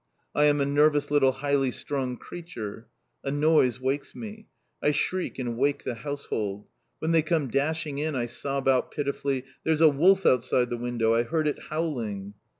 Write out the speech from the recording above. I am a nervous little highly strung creature. A noise wakes me. I shriek and wake the household. When they come dashing in I sob out pitifully. "There's a wolf outside the window, I heard it howling!"